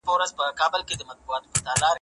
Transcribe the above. ژبه د تاریخ پاڼې ساتي.